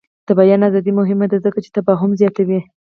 د بیان ازادي مهمه ده ځکه چې تفاهم زیاتوي.